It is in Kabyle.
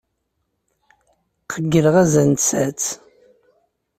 Qeyyleɣ azal n tsaɛet.